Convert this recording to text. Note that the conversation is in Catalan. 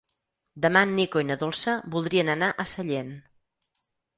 Demà en Nico i na Dolça voldrien anar a Sellent.